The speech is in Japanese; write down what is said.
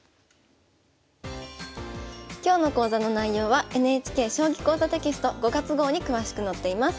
今日の講座の内容はＮＨＫ「将棋講座」テキスト５月号に詳しく載っています。